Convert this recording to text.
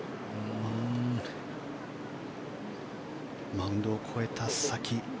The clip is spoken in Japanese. マウンドを越えた先。